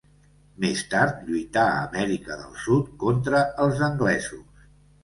Més tard lluità a Amèrica del Sud contra els anglesos.